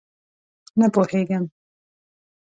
_نه پوهېږم.